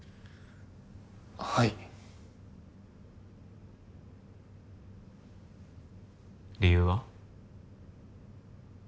はい理由は？